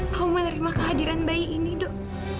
kau menerima kehadiran bayi ini dok